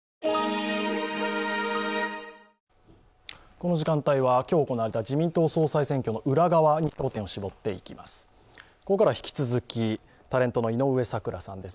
この時間帯は今日行われた自民党総裁選の裏側に焦点を絞っていきます。